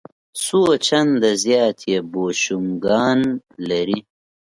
څو چنده زیات یې بوشونګان لري.